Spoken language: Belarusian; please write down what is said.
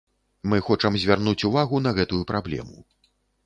Мы хочам звярнуць увагу на гэтую праблему.